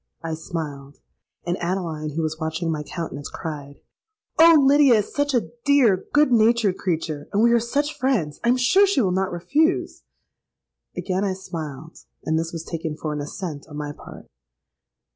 '—I smiled; and Adeline, who was watching my countenance, cried, 'Oh! Lydia is such a dear good natured creature, and we are such friends, I am sure she will not refuse.'—Again I smiled; and this was taken for an assent on my part.